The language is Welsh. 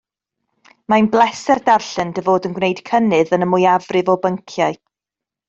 Mae'n bleser darllen dy fod yn gwneud cynnydd yn y mwyafrif o bynciau